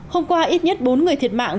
hôm qua ít nhất bốn người thiệt mạng